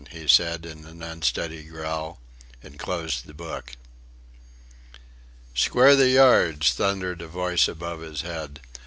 he said in an unsteady growl, and closed the book. "Square the yards!" thundered a voice above his head.